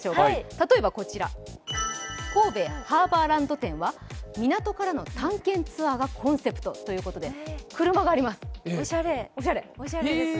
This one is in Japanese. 例えばこちら、神戸ハーバーランド店は港からの探検ツアーがコンセプトということでおしゃれです。